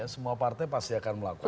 semua partai pasti akan melakukan